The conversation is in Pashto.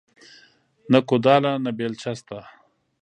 نه کوداله نه بيلچه شته